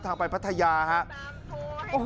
ทางไปพัทยาครับ